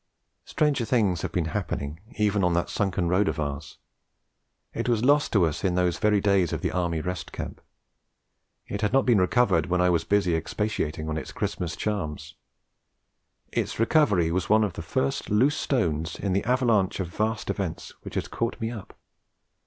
Stranger things have been happening, even on that sunken road of ours. It was lost to us in those very days of the Army Rest Camp; it had not been recovered when I was busy expatiating on its Christmas charms; its recovery was one of the first loose stones in the avalanche of vast events which has caught me up....